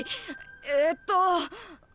えっと。